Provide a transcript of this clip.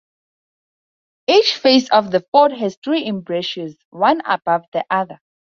Each face of the fort has three embrasures, one above the other.